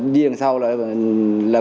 đi đằng sau là